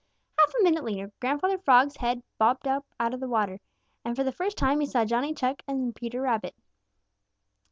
Half a minute later Grandfather Frog's head bobbed up out of the water, and for the first time he saw Johnny Chuck and Peter Rabbit.